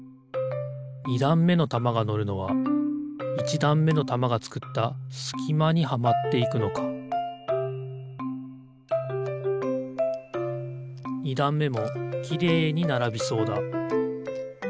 ２だんめのたまがのるのは１だんめのたまがつくったすきまにはまっていくのか２だんめもきれいにならびそうだ。